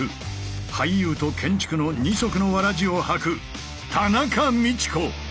俳優と建築の二足のわらじを履く田中道子。